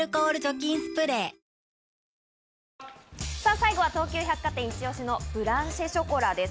最後は東急百貨店イチオシのブランシェ・ショコラです。